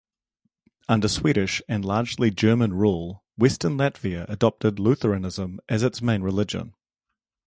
Under Swedish and largely German rule, western Latvia adopted Lutheranism as its main religion.